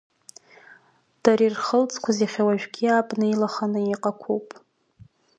Дара ирхылҵқәаз иахьа уажәгьы абна илаханы иҟақәоуп.